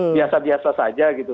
biasa biasa saja gitu